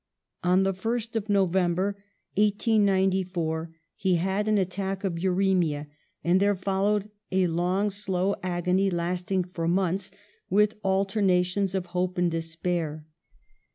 On the 1st of November, 1894, he had an attack of uremia, and there fol lowed a long, slow agony, lasting for months, with alternations of hope and despair.